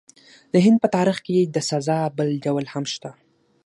د هند په تاریخ کې د سزا بل ډول هم شته.